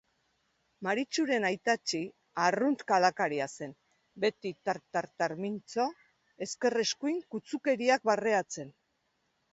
Maritxuren aitatxi arrunt kalakaria zen, beti tar-tar-tar mintzo, ezker-eskuin kutzukeriak barreatzen.